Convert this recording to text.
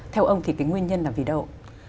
theo ông thì cái nguyên nhân là vì đâu